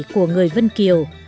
của người vân kiều